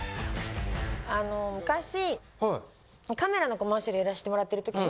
あの昔カメラのコマーシャルやらしてもらってるときに。